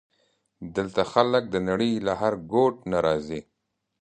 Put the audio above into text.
دلته خلک د نړۍ له هر ګوټ نه راځي.